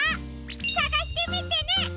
さがしてみてね！